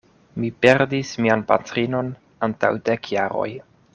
Mi perdis mian patrinon antaŭ dek jaroj.